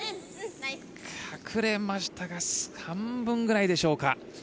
隠れましたが半分ぐらいでしょうか。